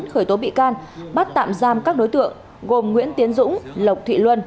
khởi tố bị can bắt tạm giam các đối tượng gồm nguyễn tiến dũng lộc thị luân